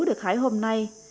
được hái hôm nay